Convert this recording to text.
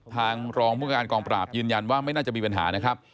ทางรองผู้การกองปราบยืนยันว่าไม่น่าจะมีปัญหานะครับ